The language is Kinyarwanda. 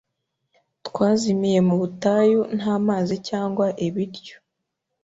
Twazimiye mu butayu nta mazi cyangwa ibiryo.